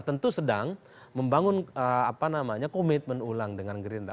tentu sedang membangun komitmen ulang dengan gerindra